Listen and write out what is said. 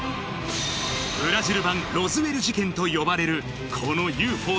ブラジル版ロズウェル事件と呼ばれるこのＵＦＯ